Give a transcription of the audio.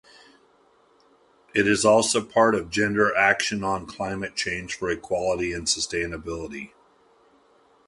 It is also part of Gender Action on Climate Change for Equality and Sustainability.